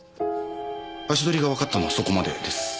足取りがわかったのはそこまでです。